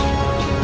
aku mau ke rumah